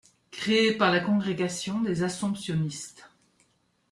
Créé par la Congrégation des Assomptionnistes.